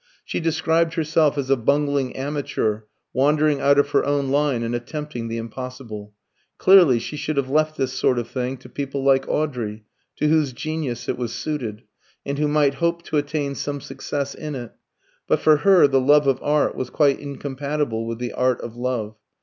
She described herself as a bungling amateur wandering out of her own line and attempting the impossible. Clearly she should have left this sort of thing to people like Audrey, to whose genius it was suited, and who might hope to attain some success in it; but for her the love of art was quite incompatible with the art of love.